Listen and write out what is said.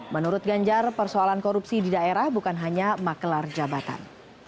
menurut ganjar persoalan korupsi di daerah bukan hanya maklar jabatan